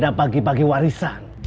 disana ada bagi bagi warisan